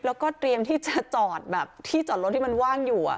แล้วก็เตรียมที่จะจอดแบบที่จอดรถที่มันว่างอยู่